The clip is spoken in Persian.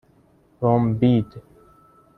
رُمبید